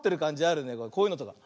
こういうのとか。